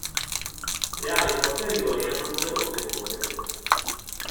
Le ali posteriori hanno numerose code.